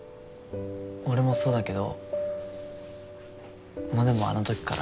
俺もそうだけどモネもあの時から。